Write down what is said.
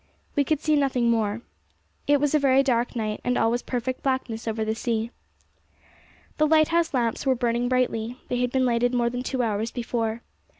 We could see nothing more. It was a very dark night, and all was perfect blackness over the sea. The lighthouse lamps were burning brightly; they had been lighted more than two hours before.